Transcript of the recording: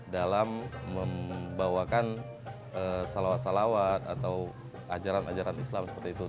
dalam membawakan salawat salawat atau ajaran ajaran islam seperti itu